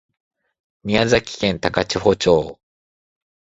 宮崎県高千穂町